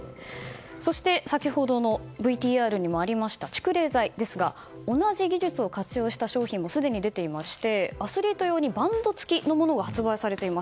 そして、先ほどのＶＴＲにもありました蓄冷材ですが同じ技術を活用した商品もすでに出ていましてアスリート用にバンドつきのものが発売されています。